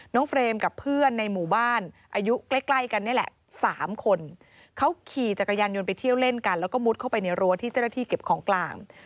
เฟรมกับเพื่อนในหมู่บ้านอายุใกล้ใกล้กันนี่แหละ๓คนเขาขี่จักรยานยนต์ไปเที่ยวเล่นกันแล้วก็มุดเข้าไปในรั้วที่เจ้าหน้าที่เก็บของกลาง